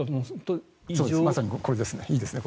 まさにこれですね。